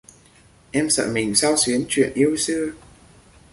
Em sợ mình xao xuyến chuyện yêu xưa